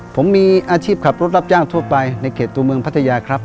ผมมีอาชีพขับรถรับจ้างทั่วไปในเขตตัวเมืองพัทยาครับ